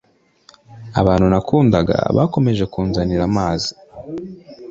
abantu nakundaga bakomeje kunzanira amazi.